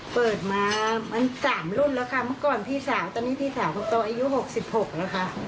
เปิดมามัน๓รุ่นแล้วค่ะเมื่อก่อนพี่สาวตอนนี้พี่สาวคนโตอายุ๖๖แล้วค่ะ